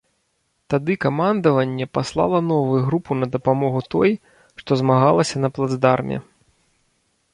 Тады камандаванне паслала новую групу на дапамогу той, што змагалася на плацдарме.